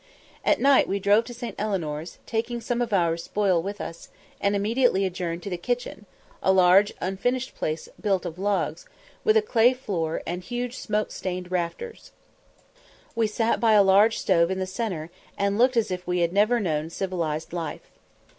At night we drove to St. Eleanor's, taking some of our spoil with us, and immediately adjourned to the kitchen, a large, unfinished place built of logs, with a clay floor and huge smoke stained rafters. We sat by a large stove in the centre, and looked as if we had never known civilised life.